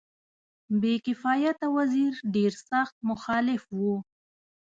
بې کفایته وزیر ډېر سخت مخالف وو.